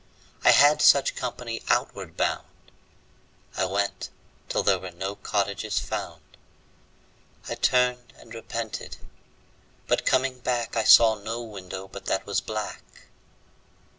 I had such company outward bound. I went till there were no cottages found. I turned and repented, but coming back I saw no window but that was black.